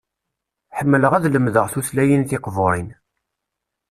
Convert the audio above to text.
Ḥemmleɣ ad lemdeɣ tutlayin tiqbuṛin.